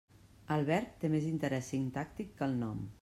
El verb té més interès sintàctic que el nom.